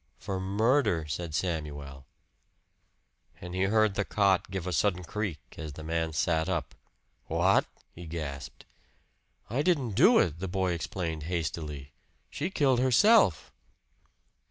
"For murder," said Samuel. And he heard the cot give a sudden creak as the man sat up. "What!" he gasped. "I didn't do it," the boy explained hastily. "She killed herself."